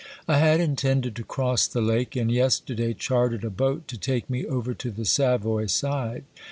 I had intended to cross the lake, and yesterday chartered a boat to take me over to the Savoy side.